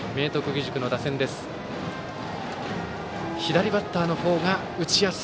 義塾の打線です。